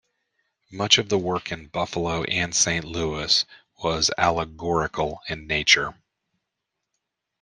Much of the work in Buffalo and Saint Louis was allegorical in nature.